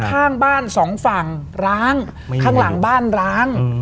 ข้างบ้านสองฝั่งร้างข้างหลังบ้านร้าง